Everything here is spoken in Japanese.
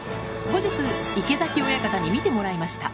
後日、池崎親方に見てもらいました。